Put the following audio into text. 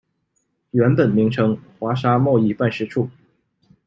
原本名称：华沙贸易办事处。